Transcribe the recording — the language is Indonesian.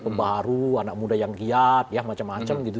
pembaru anak muda yang giat ya macam macam gitu